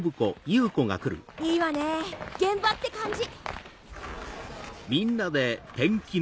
いいわねぇ現場って感じ！